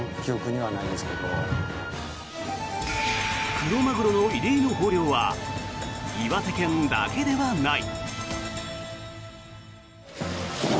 クロマグロの異例の豊漁は岩手県だけではない。